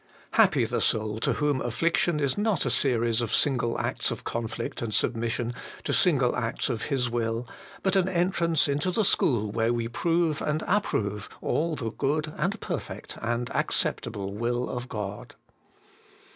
Happy the soul to whom affliction is not a series of single acts of conflict and submission to single acts of His will, but an entrance into the school where we prove and approve all the good and perfect and acceptable will of God.